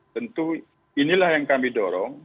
tentu inilah yang kami dorong